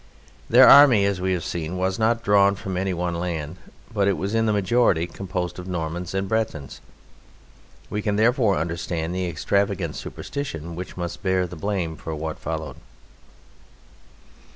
Their army, as we have seen, was not drawn from any one land, but it was in the majority composed of Normans and Bretons; we can therefore understand the extravagant superstition which must bear the blame for what followed.